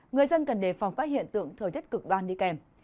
người dân cần đề phòng các hiện tượng thời tiết cực đoan đi kèm